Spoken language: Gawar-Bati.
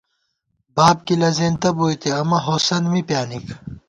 باب گِلہ زېنتہ بوئیتے ، امہ ہوسند می پیانِک